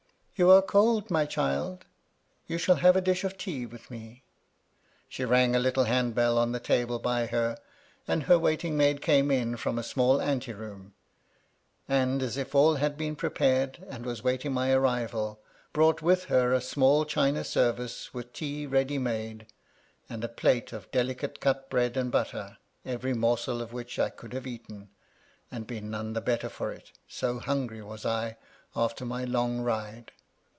" You are cold, my child. You shall have a dish of tea with me." She rang a little hand bell on the table by her, and her waiting maid came in from a small anteroom ; and, as if all had been prepared, and was awaiting my arrival, brought with her a small china service with tea ready made, and a plate of MY LADY LUDLOW. 25 delicately cut bread and butter, every morsel of which I could have eaten, and been none the better for it, so hungry was I after my long ride.